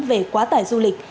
về quá tải du lịch